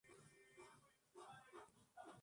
El partido finalizó con empate a uno.